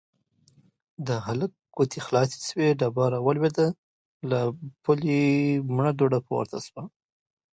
د هلک ګوتې خلاصې شوې، ډبره ولوېده، له پولې مړه دوړه پورته شوه.